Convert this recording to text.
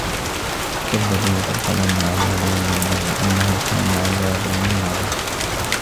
فَكَذَّبوهُ فَأَخَذَهُم عَذابُ يَومِ الظُّلَّةِ إِنَّهُ كانَ عَذابَ يَومٍ عَظيمٍ